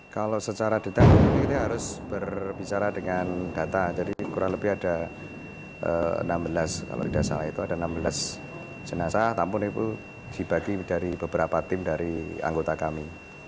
kalau secara detik ini harus berbicara dengan data jadi kurang lebih ada enam belas jenazah tampun itu dibagi dari beberapa tim dari anggota kami